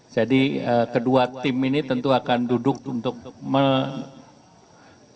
jadi kedua tim ini tentu akan duduk untuk menunjukkan